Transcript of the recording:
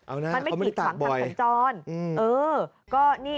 มันไม่ขลิกผังทางตันจ้อน